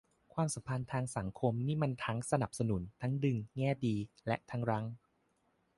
ความสัมพันธ์ทางสังคมนี่มันก็ทั้งสนับสนุน ทั้งดึง แง่ดี และทั้งรั้ง